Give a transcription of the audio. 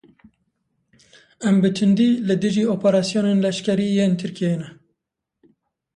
Em bi tundî li dijî operasyonên leşkerî yên Tirkiyeyê ne.